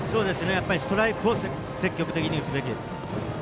ストライクを積極的に打つべきですね。